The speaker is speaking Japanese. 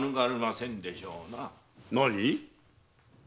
何？